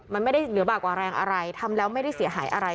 มันไม่ได้เหลือบากกว่าแรงอะไรทำแล้วไม่ได้เสียหายอะไร